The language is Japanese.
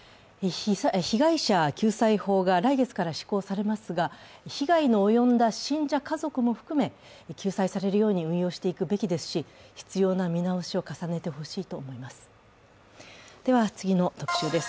被害者救済法が来月から施行されますが被害に及んだ信者家族も含め救済されるように運用していくべきですし、必要な見直しを重ねてほしいと思います。